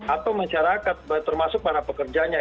atau masyarakat termasuk para pekerjanya